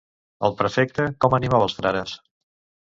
El prefecte, com animava els frares?